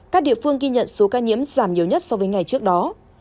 các địa phương ghi nhận số ca nhiễm giảm nhiều nhất so với ngày trước đó